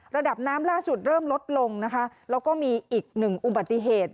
ระดับน้ำล่าสุดเริ่มลดลงนะคะแล้วก็มีอีกหนึ่งอุบัติเหตุ